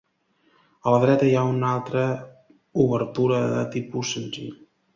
A la dreta hi ha una altra obertura de tipus senzill.